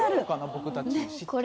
僕たち。